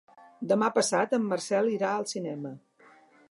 Demà passat en Marcel irà al cinema.